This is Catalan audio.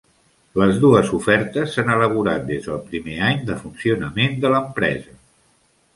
Les dues ofertes s'han elaborat des del primer any de funcionament de l'empresa.